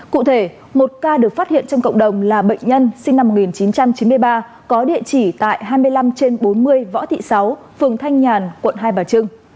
cụ thể một ca được phát hiện trong cộng đồng là bệnh nhân sinh năm một nghìn chín trăm chín mươi ba có địa chỉ tại hai mươi năm trên bốn mươi võ thị sáu phường thanh nhàn quận hai bà trưng